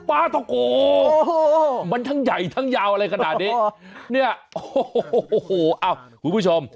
ปลาตะโกโอ้โหมันทั้งใหญ่ทั้งยาวอะไรขนาดนี้เนี่ยโอ้โหคุณผู้ชม